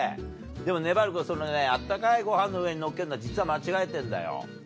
でもねばる君そのね温かいご飯の上にのっけるのは実は間違えてんだよ。